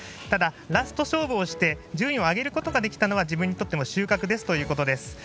ただ、ラスト勝負をして順位を上げることができたのは自分にとっても収穫ですということです。